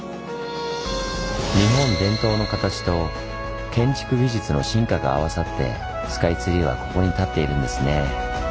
日本伝統の形と建築技術の進化が合わさってスカイツリーはここに立っているんですねぇ。